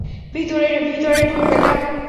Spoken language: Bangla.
ভিতরে ঢুক, ব্যাটা!